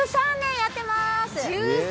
１３年やってまーす！